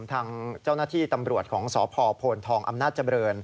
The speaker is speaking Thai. ทางเจ้าหน้าที่ตำรวจของสพโพนทองอำนาจเจริญ